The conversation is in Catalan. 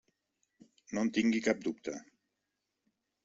No en tingui cap dubte.